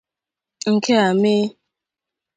Nke a mee